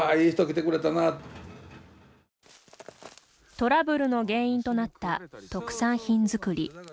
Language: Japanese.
トラブルの原因となった特産品作り。